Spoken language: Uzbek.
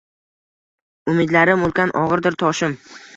Umidlarim ulkan — og‘irdir toshim